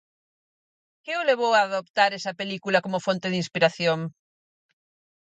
Que o levou a adoptar esa película como fonte de inspiración?